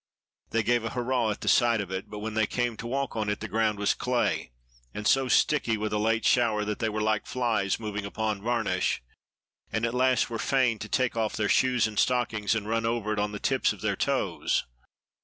They gave a hurrah at the sight of it, but when they came to walk on it the ground was clay and so sticky with a late shower that they were like flies moving upon varnish, and at last were fain to take off their shoes and stockings and run over it on the tips of their toes.